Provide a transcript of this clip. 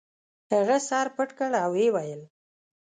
هغه سر پټ کړ او ویې ویل.